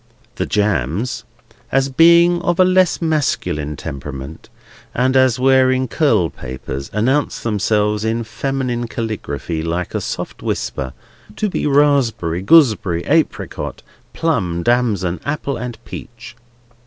The jams, as being of a less masculine temperament, and as wearing curlpapers, announced themselves in feminine caligraphy, like a soft whisper, to be Raspberry, Gooseberry, Apricot, Plum, Damson, Apple, and Peach.